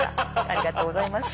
ありがとうございます。